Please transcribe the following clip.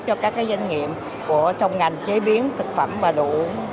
cho các cái doanh nghiệp trong ngành chế biến thực phẩm và đồ uống